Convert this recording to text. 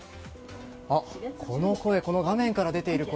この声、画面から出ている声